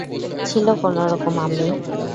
ছিল কোনোরকম, আম্মি।